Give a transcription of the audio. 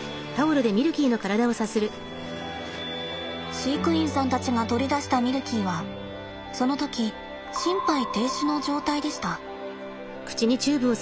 飼育員さんたちが取り出したミルキーはその時心肺停止の状態でした。